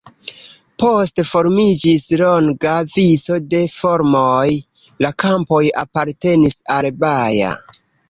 Poste formiĝis longa vico de farmoj, la kampoj apartenis al Baja.